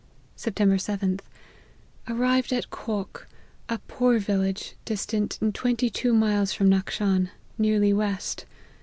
" Sept. 7th. Arrived at Khoock, a poor village distant twenty two miles from Nackshan, nearly west.